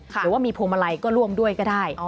หรือว่ามีพวงมาลัยก็ร่วมด้วยก็ได้